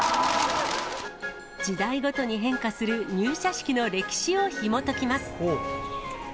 時代ごとに変化する入社式の歴史をひもときます。